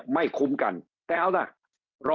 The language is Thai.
การเปิดห้างเปิดอะไรมาเนี่ย